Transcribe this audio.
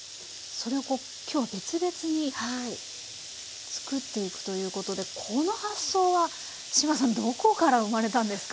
それをこうきょうは別々に作っていくということでこの発想は志麻さんどこから生まれたんですか？